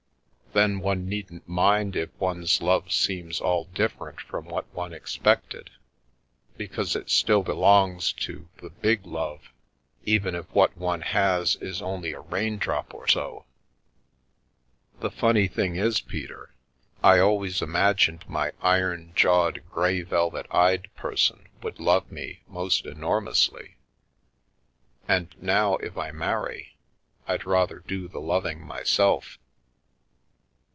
308 Via Amoris " Then one needn't mind if one's love seems all dif ferent from what one expected, because it still belongs to the big love, even if what one has is only a raindrop or so? The funny thing is, Peter, I always imagined my iron jawed, grey velvet eyed person would love me most enormously, and now if I marry, I'd rather do the loving myself.